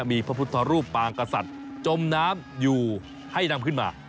มีพระพุทธรูปปางกษัตริย์จมน้ำอยู่ให้นำขึ้นมา